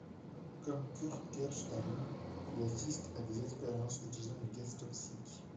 Comme Kurt Gerstein, il assiste à des expériences utilisant du gaz toxique.